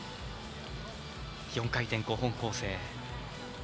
４回転５本構成。